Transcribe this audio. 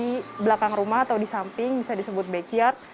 di belakang rumah atau di samping bisa disebut backyard